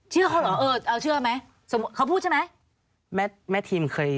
เชื่อเขาเหรอเออเราเชื่อไหมสมมุติเขาพูดใช่ไหม